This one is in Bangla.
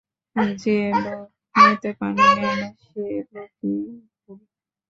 যে লোক মুতে পানি নেয় না, সে লোকই ভুল।